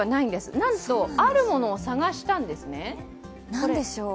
なんとあるものを探したんです。